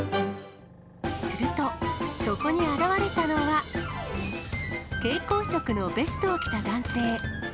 すると、そこに現れたのは、蛍光色のベストを着た男性。